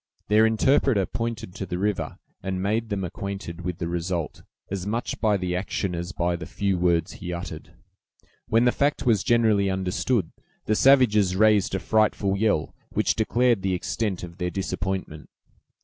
Their interpreter pointed to the river, and made them acquainted with the result, as much by the action as by the few words he uttered. When the fact was generally understood, the savages raised a frightful yell, which declared the extent of their disappointment.